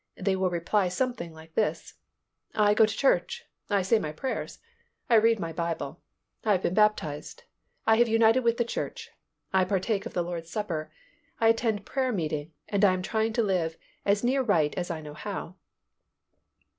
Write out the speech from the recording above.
they will reply something like this, "I go to church; I say my prayers, I read my Bible, I have been baptized, I have united with the church, I partake of the Lord's supper, I attend prayer meeting, and I am trying to live as near right as I know how."